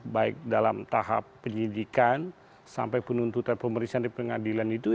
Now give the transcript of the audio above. baik dalam tahap penyidikan sampai penuntutan pemeriksaan di pengadilan itu